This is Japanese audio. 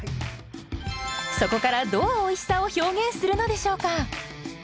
そこからどうおいしさを表現するのでしょうか。